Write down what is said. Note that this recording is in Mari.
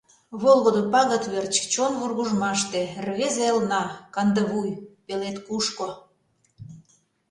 Волгыдо пагыт верч Чон вургыжмаште Рвезе элна — Кандывуй — Пелед кушко.